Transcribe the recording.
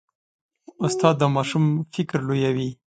استاد د ماشوم فکر لویوي.